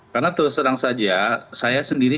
karena terus terang saja saya sendiri